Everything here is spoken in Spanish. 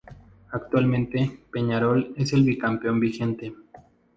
Actualmente, Peñarol es el bi-campeón vigente.